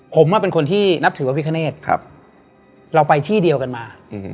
ผมเป็นคนที่นับถือพระพิคเนธเราไปที่เดียวกันมา